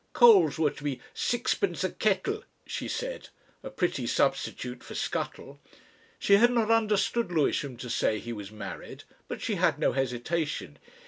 Coals were to be "sixpence a kettle," she said a pretty substitute for scuttle. She had not understood Lewisham to say he was married. But she had no hesitation.